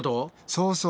そうそう。